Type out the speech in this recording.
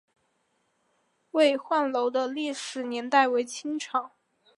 巍焕楼的历史年代为清代。